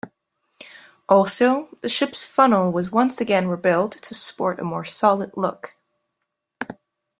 Also, the ship's funnel was once again rebuilt to sport a more solid look.